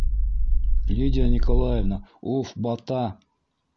Лидия Николаевна, уф, бата!